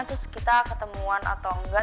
terus kita ketemuan atau enggak